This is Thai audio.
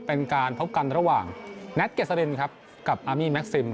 เป็นการพบกันระหว่างแน็ตเกษรินครับกับอามี่แม็กซิม